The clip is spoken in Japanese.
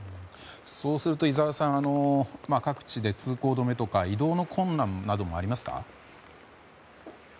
そうすると井澤さん各地で通行止めとか移動の困難などもありますか。